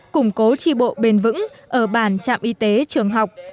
củng cố chị bộ bền vững ở bản trạm y tế trường học